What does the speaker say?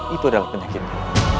itu adalah penyakitnya